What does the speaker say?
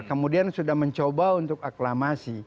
kemudian sudah mencoba untuk aklamasi